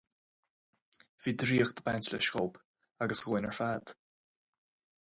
Bhí draíocht ag baint leis dóibh agus dúinn ar fad.